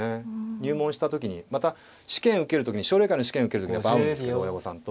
入門した時にまた試験受ける時に奨励会の試験受ける時に会うんですけど親御さんと。